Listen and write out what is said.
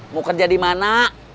mau kerja di mana